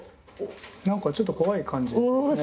何かちょっと怖い感じですね。